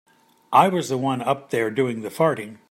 I was the one up there doing the farting.